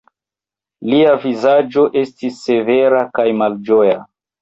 Lia vizaĝo estis severa kaj malĝoja.